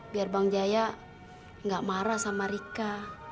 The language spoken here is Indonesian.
biar bang jaya gak marah sama rika